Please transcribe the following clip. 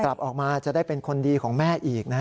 กลับออกมาจะได้เป็นคนดีของแม่อีกนะฮะ